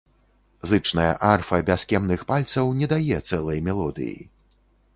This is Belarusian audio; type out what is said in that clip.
Зычная арфа без кемных пальцаў не дае цэлай мелодыі.